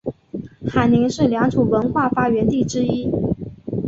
海宁是良渚文化发源地之一。